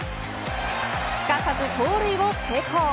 すかさず盗塁を成功。